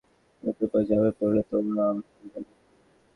তৃতীয় বার তাকবীর দিয়ে আমি শক্রর উপর ঝাঁপিয়ে পড়লে তোমরাও আমার সাথে ঝাঁপিয়ে পড়বে।